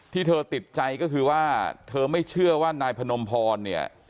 ที่เธอติดใจก็คือว่าเธอไม่เชื่อว่านายพนมพรเนี่ย